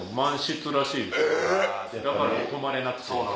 だから泊まれなくて。